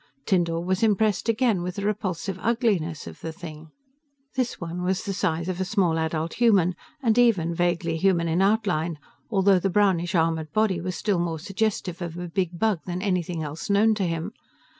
Tyndall was impressed again with the repulsive ugliness of the thing. This one was the size of a small adult human, and even vaguely human in outline, although the brownish armored body was still more suggestive of a big bug than anything else known to him.